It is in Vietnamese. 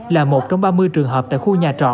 là một trong ba mươi trường hợp tại khu nhà trọ